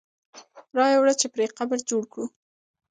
را یې وړه چې پرې قبر جوړ کړو.